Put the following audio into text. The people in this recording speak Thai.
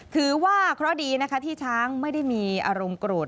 ถือว่าเคราะห์ดีนะคะที่ช้างไม่ได้มีอารมณ์โกรธ